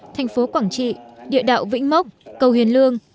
thành phố quảng trị địa đạo vĩnh mốc cầu hiền lương